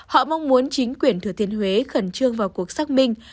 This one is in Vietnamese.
họ mong muốn chính quyền thừa thiên huế khẩn trương vào cuộc xác minh